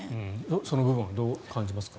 その部分はどう感じますか？